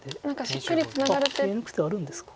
あっ手抜く手あるんですか。